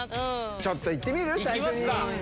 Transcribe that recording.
ちょっといってみる？